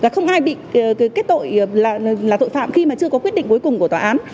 không ai bị kết tội là tội phạm khi mà chưa có quyết định cuối cùng của tòa án